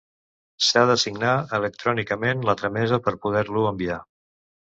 S'ha de signar electrònicament la tramesa per poder-lo enviar.